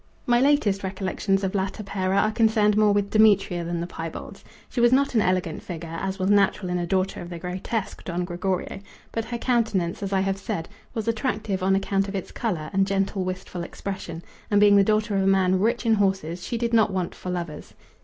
My latest recollections of La Tapera are concerned more with Demetria than the piebalds. She was not an elegant figure, as was natural in a daughter of the grotesque Don Gregorio, but her countenance, as I have said, was attractive on account of its colour and gentle wistful expression, and being the daughter of a man rich in horses she did not want for lovers.